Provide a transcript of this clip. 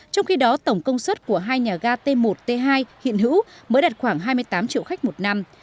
trong khi đó tổng công suất của hai nhà ga t một t hai hiện hữu mới đạt khoảng hai mươi tám triệu khách một năm